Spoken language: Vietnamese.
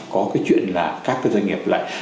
có cái chuyện là các cái doanh nghiệp lại